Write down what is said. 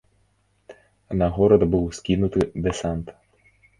На горад быў скінуты дэсант.